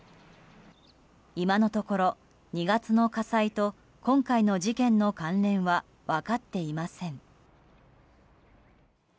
今のところ２月の火災と今回の事件の関連は分かっていません。